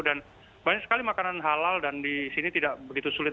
dan banyak sekali makanan halal dan di sini tidak begitu sulit